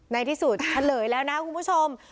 ในที่สุดเฉลยแล้วนะคุณผู้ชม